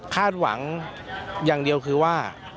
คาดหวังอย่างเดียวคือว่า